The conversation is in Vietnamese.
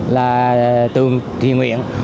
là tường thị nguyện